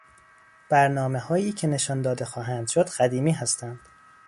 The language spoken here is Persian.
برنامههایی که نشان داده خواهند شد قدیمی هستند.